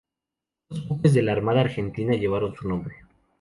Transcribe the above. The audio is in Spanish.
Dos buques de la Armada Argentina llevaron su nombre.